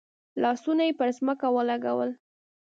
لاسونه یې پر ځمکه ولګول.